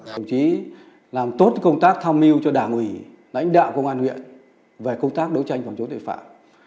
đồng chí làm tốt công tác tham mưu cho đảng ủy lãnh đạo công an huyện về công tác đấu tranh phòng chống tội phạm